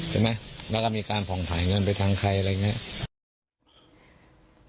ใช่ไหมแล้วก็มีการผ่องถ่ายเงินไปทางใครอะไรอย่างนี้